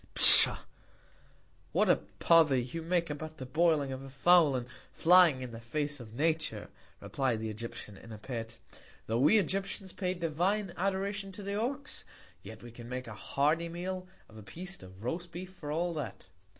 Pshaw! What a Pother you make about the boiling of a Fowl, and flying in the Face of Nature, replied the Egyptian in a Pet; tho' we Egyptians pay divine Adoration to the Ox; yet we can make a hearty Meal of a Piece of roast Beef for all that.